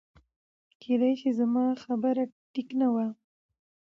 کېدی شي زما خبره ټیک نه وه